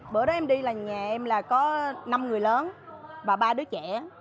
bữa đó em đi là nhà em là có năm người lớn và ba đứa trẻ